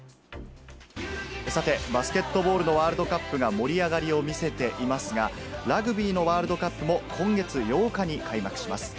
さて、バスケットボールのワールドカップが盛り上がりを見せていますが、ラグビーのワールドカップも今月８日に開幕します。